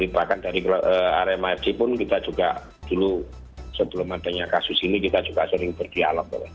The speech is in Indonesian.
bahkan dari arema fc pun kita juga dulu sebelum adanya kasus ini kita juga sering berdialog